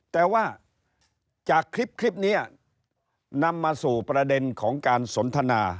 แต่ว่าจากคลิปนี้นำมาสู่ประเด็นของการสนทนา